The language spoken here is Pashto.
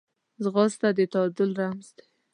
ځغاسته د تعادل رمز دی